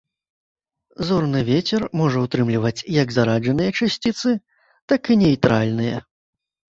Зорны вецер можа ўтрымліваць як зараджаныя часціцы, так і нейтральныя.